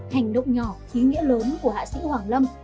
hành động nhỏ ý nghĩa lớn của hạ sĩ hoàng lâm